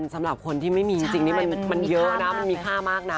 สำหรับคนที่ไม่มีจริงนี่มันเยอะนะมันมีค่ามากนะ